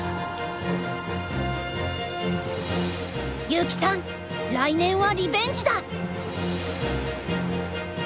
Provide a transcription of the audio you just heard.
優希さん来年はリベンジだ！